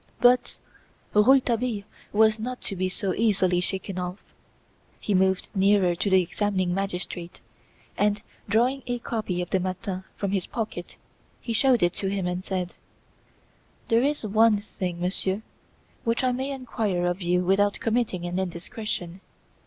But Rouletabille was not to be so easily shaken off. He moved nearer to the examining magistrate and, drawing a copy of the "Matin" from his pocket, he showed it to him and said: "There is one thing, Monsieur, which I may enquire of you without committing an indiscretion.